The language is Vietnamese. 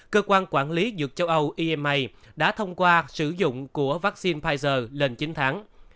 cơ quan quản lý dược châu âu ema đã thông qua sử dụng của vaccine pfizer lên chín tháng